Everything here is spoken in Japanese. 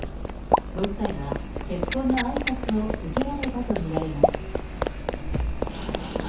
ご夫妻は結婚のあいさつを受けられたと見られます。